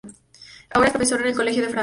Ahora es profesor en el Colegio de Francia.